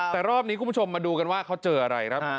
แต่รอบนี้คุณผู้ชมมาดูกันว่าเขาเจออะไรครับ